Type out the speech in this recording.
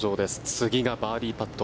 次がバーディーパット。